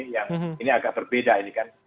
yang ini agak berbeda ini kan